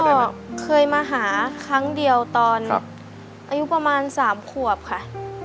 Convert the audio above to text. ก็เคยมาหาครั้งเดียวตอนอายุประมาณ๓ขวบค่ะ